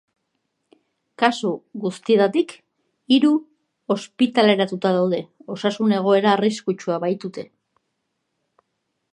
Kasu guzitietatik hiru ospitaleratuta daude, osasun egoera arriskutsua baitute.